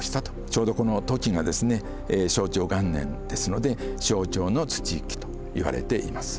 ちょうどこの時がですね正長元年ですので正長の土一揆といわれています。